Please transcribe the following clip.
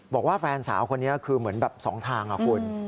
บอกว่าแฟนสาวคนนี้คือเหมือนแบบสองทางอะคุณ